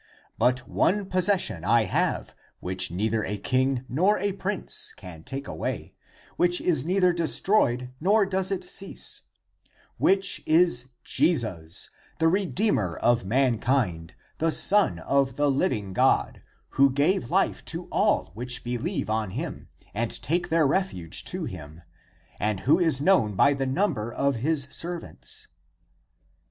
But one possession I have which neither a king nor a prince can take away, which is neither destroyed nor does it cease, which is Jesus, the redeemer of mankind, the Son of the living God, who gave life to all which believe on him and take their refuge to him, and who is known by the number of his ser vants."